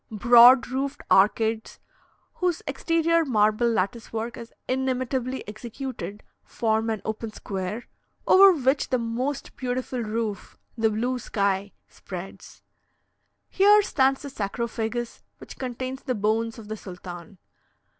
Broad roofed arcades, whose exterior marble lattice work is inimitably executed, form an open square, over which the most beautiful roof the blue sky spreads. Here stands the sarcophagus which contains the bones of the sultan.